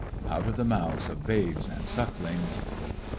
" "Out of the mouth of babes and suck lings